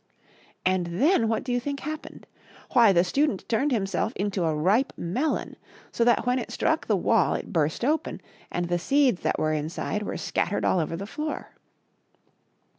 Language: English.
And then what do you think happened ? Why, the Student turned him self into a ripe melon, so that when it struck the wall it burst open and the seeds that were inside were scattered all over the floor.